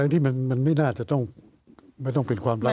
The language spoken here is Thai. ทั้งที่มันไม่น่าจะต้องเป็นความลับ